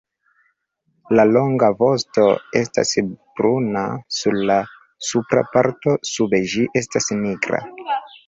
La longa vosto estas bruna sur la supra parto, sube ĝi estas nigra.